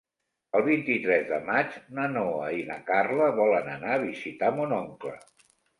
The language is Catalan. El vint-i-tres de maig na Noa i na Carla volen anar a visitar mon oncle.